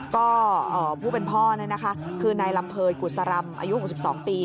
ก็ผู้เป็นพ่อนี่นะคะคือนายลำเภยกุศรำอายุ๖๒ปี